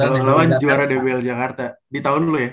kalo ngelawan juara dbl jakarta di tahun lu ya